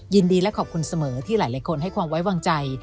ยินดีและขอบคุณเสมอที่หลายคนให้ความไว้วางใจ